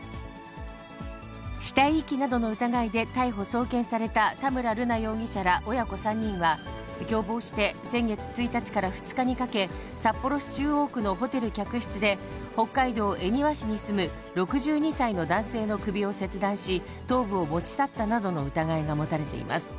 死体遺棄などの疑いで逮捕・送検された田村瑠奈容疑者ら親子３人は、共謀して先月１日から２日にかけ、札幌市中央区のホテル客室で、北海道恵庭市に住む６２歳の男性の首を切断し、頭部を持ち去ったなどの疑いが持たれています。